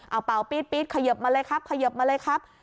เอาเป่าปี๊ดเขยิบมาเลยครับขยิบมาเลยครับ